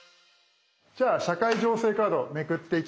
じゃあ社会情勢カードをめくっていきます。